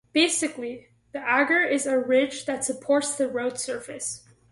Basically the agger is a ridge that supports the road surface.